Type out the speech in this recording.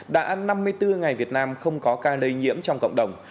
đã năm mươi bốn ngày việt nam không có ca lây nhiễm trong cộng đồng